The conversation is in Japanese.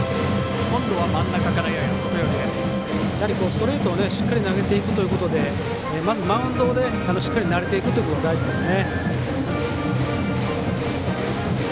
やはりストレートをしっかり投げていくということでまずマウンドにしっかり慣れていくということが大事ですね。